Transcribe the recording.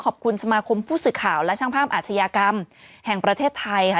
ขอบคุณสมาคมผู้สื่อข่าวและช่างภาพอาชญากรรมแห่งประเทศไทยค่ะ